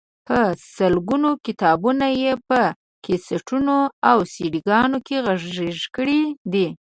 په سلګونو کتابونه یې په کیسټونو او سیډيګانو کې غږیز کړي دي.